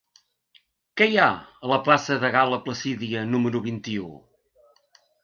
Què hi ha a la plaça de Gal·la Placídia número vint-i-u?